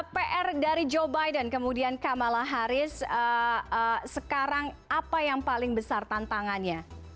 pr dari joe biden kemudian kamala harris sekarang apa yang paling besar tantangannya